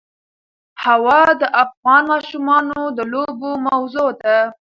هوا د افغان ماشومانو د لوبو موضوع ده.